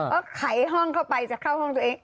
ก็ไขห้องเข้าไปจะเข้าห้องตัวเอง